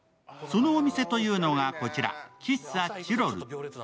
そのお店というのがこちら、喫茶チロル。